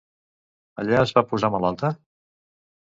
Allà es va posar malalta?